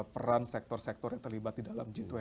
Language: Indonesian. peran sektor sektor yang terlibat di dalam g dua puluh